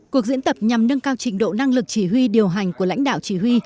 cuộc diễn tập nhằm nâng cao trình độ năng lực chỉ huy điều hành của lãnh đạo chỉ huy